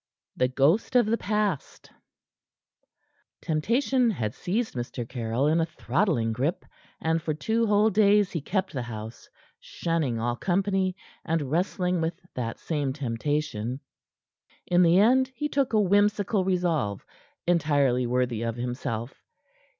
THE GHOST OF THE PAST Temptation had seized Mr. Caryll in a throttling grip, and for two whole days he kept the house, shunning all company and wrestling with that same Temptation. In the end he took a whimsical resolve, entirely worthy of himself.